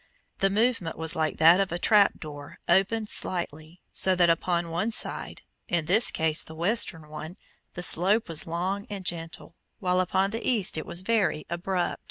The movement was like that of a trap door opened slightly, so that upon one side in this case the western one the slope was long and gentle, while upon the east it was very abrupt.